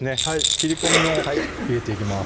切り込みを入れていきます